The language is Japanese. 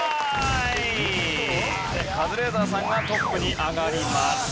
カズレーザーさんがトップに上がります。